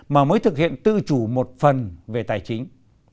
mà mới thực hiện tự chủ một phần về tài chính